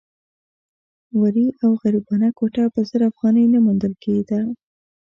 ورې او غریبانه کوټه په زر افغانۍ نه موندل کېده.